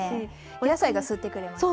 お野菜が吸ってくれますね。